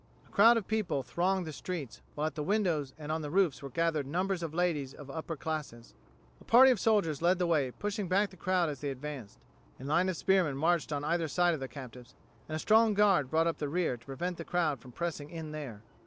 A crowd of people thronged the streets, while at the windows and on the roofs were gathered numbers of ladies of the upper classes. A party of soldiers led the way, pushing back the crowd as they advanced. A line of spearmen marched on either side of the captives, and a strong guard brought up the rear to prevent the crowd from pressing in there.